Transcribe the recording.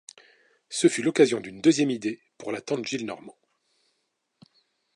Ceci fut l’occasion d’une deuxième idée pour la tante Gillenormand.